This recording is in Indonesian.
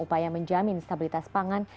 upaya menjamin stabilitas pangan